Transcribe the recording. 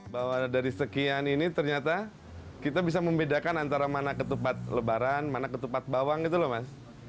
bahwa dari sekian ini ternyata kita bisa membedakan antara mana ketupat lebaran mana ketupat bawang gitu loh mas